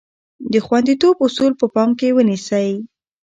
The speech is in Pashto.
د خوندیتوب اصول په پام کې ونیسئ.